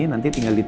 nanti tinggal di